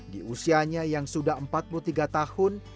di usianya yang sudah empat puluh tiga tahun